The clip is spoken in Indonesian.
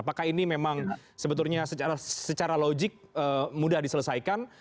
apakah ini memang sebetulnya secara logik mudah diselesaikan